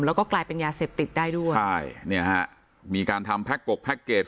แล้วก็กลายเป็นยาเสพติดได้ด้วยใช่เนี่ยฮะมีการทำแพ็คกกแพ็กเกจ